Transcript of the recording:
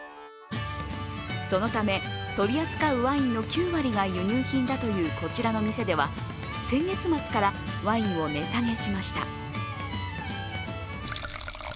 そのため、取り扱うワインの９割が輸入品だというこちらの店では先月末からワインを値下げしました。